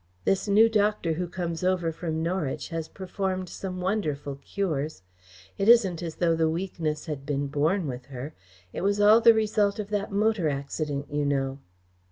This new doctor who comes over from Norwich has performed some wonderful cures. It isn't as though the weakness had been born with her. It was all the result of that motor accident, you know."